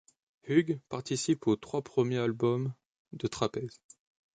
Hughes participe aux trois premiers albums de Trapeze.